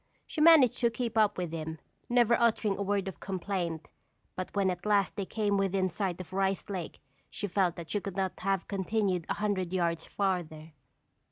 She managed to keep up with him, never uttering a word of complaint, but when at last they came within sight of Rice Lake she felt that she could not have continued a hundred yards farther.